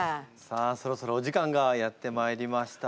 さあそろそろお時間がやってまいりました。